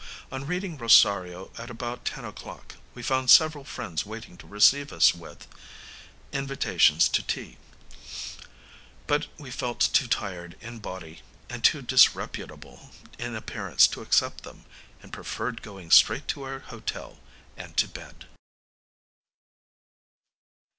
On reaching Rosario at about ten o'clock, we found several friends waiting to receive us, with invitations to tea; but we felt too tired in body and too disreputable in appearance to accept them, and preferred going straight to our hotel and to bed.